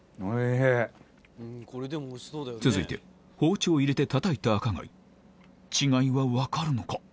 続いて包丁を入れて叩いた赤貝違いは分かるのか？